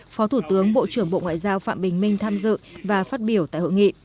phó thủ tướng bộ trưởng bộ ngoại giao phạm bình minh tham dự và phát biểu tại hội nghị